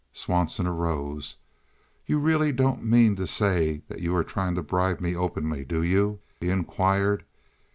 Swanson arose. "You really don't mean to say that you are trying to bribe me openly, do you?" he inquired.